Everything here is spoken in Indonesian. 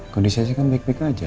kondisiasi kan baik baik saja